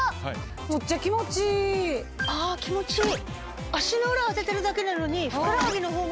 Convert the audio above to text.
あ気持ちいい。